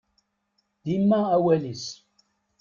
Dima awal-is.